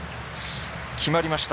決まりました